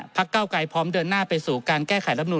เก้าไกรพร้อมเดินหน้าไปสู่การแก้ไขรับนู